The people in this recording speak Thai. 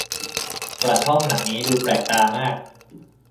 กระท่อมหลังนี้ดูแปลกตามาก